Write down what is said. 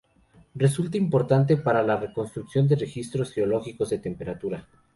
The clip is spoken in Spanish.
Resulta importante para la reconstrucción de registros geológicos de temperatura.